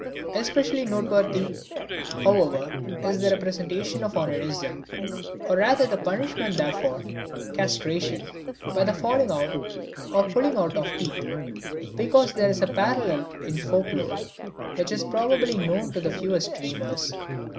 Especially noteworthy, however, is the representation of onanism, or rather the punishment therefor, castration, by the falling out or pulling out of teeth, because there is a parallel in folk lore which is probably known to the fewest dreamers.